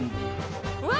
うわ！